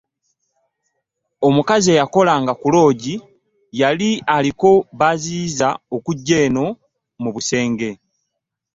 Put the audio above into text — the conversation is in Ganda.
Omukazi eyakolanga ku loogi yali aliko b'aziyiza okujja eno mu busenge.